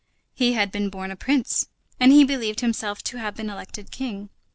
He had been born a Prince, and he believed himself to have been elected King.